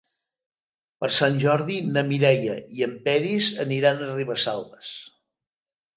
Per Sant Jordi na Mireia i en Peris aniran a Ribesalbes.